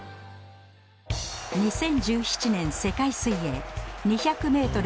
２０１７年世界水泳２００メートル